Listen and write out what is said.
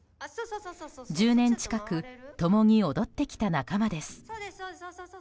１０年近く共に踊ってきた仲間です。